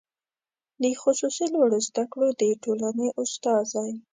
د خصوصي لوړو زده کړو د ټولنې استازی